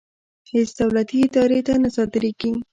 هېڅ دولتي ادارې ته نه صادرېږي.